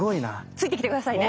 ついてきて下さいね！